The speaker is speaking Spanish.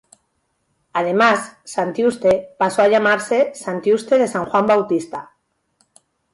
Además Santiuste pasó a llamarse Santiuste de San Juan Bautista.